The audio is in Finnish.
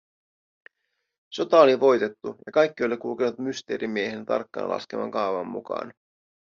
Sota oli voitettu, ja kaikki oli kulkenut Mysteerimiehen tarkkaan laskeman kaavan mukaan.